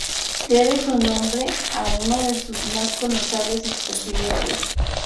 Debe su nombre a uno de sus más connotados expresidentes.